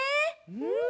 うん！